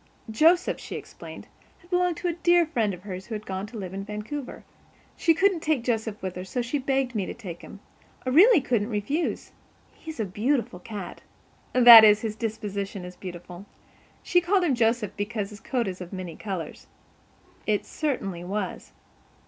Joseph, she explained, had belonged to a dear friend of hers who had gone to live in Vancouver. "She couldn't take Joseph with her so she begged me to take him. I really couldn't refuse. He's a beautiful cat—that is, his disposition is beautiful. She called him Joseph because his coat is of many colors." It certainly was.